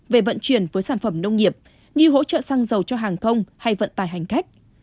về vận chuyển với sản phẩm nông nghiệp như hỗ trợ xăng dầu cho hàng không hay vận tải hành khách